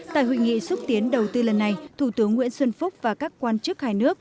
tại hội nghị xúc tiến đầu tư lần này thủ tướng nguyễn xuân phúc và các quan chức hai nước